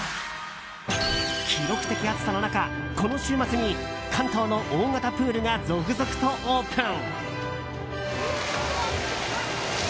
記録的暑さの中、この週末に関東の大型プールが続々とオープン。